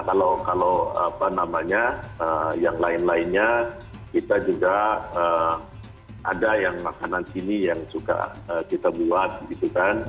kalau apa namanya yang lain lainnya kita juga ada yang makanan sini yang suka kita buat gitu kan